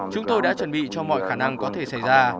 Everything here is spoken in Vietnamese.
chúng tôi đã chuẩn bị cho mọi khả năng có thể xảy ra